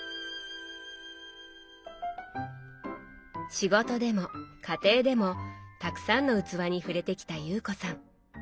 仕事でも家庭でもたくさんの器に触れてきた有子さん。